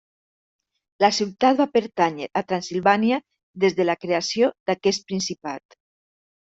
La ciutat va pertànyer a Transsilvània des de la creació d'aquest principat.